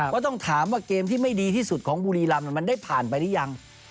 ก็ต้องถามว่าเกมที่ไม่ดีที่สุดของบุรีรำมันได้ผ่านไปหรือยัง